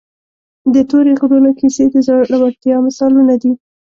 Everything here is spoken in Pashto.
د تورې غرونو کیسې د زړورتیا مثالونه دي.